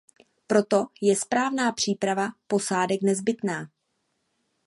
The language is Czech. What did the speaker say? Proto je správná příprava posádek nezbytná.